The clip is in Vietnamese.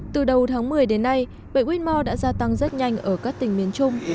từ đầu tháng một mươi đến nay bệnh whore đã gia tăng rất nhanh ở các tỉnh miền trung